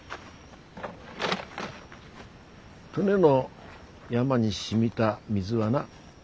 登米の山にしみた水はな